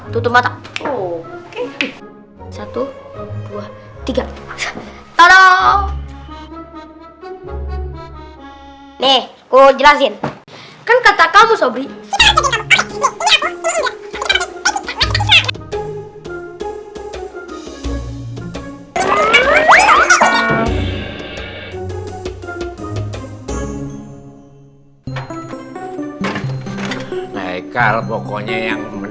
tutup mata tutup mata satu ratus dua puluh tiga kalau nih kau jelasin kan kata kamu sobri hai hai hai hai hai hai hai